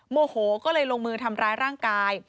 โมโหก็เลยลงมือทำร้ายร่างกาย